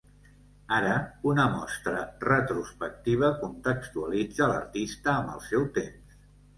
Ara una mostra retrospectiva contextualitza l’artista amb el seu temps.